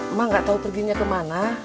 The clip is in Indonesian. emang gak tau perginya kemana